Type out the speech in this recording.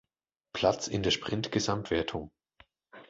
Platz in der Sprint-Gesamtwertung.